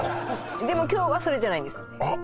でも今日はそれじゃないんですあっ